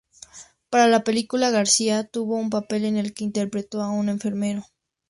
Para la película García tuvo un papel en el que interpretó a un enfermero.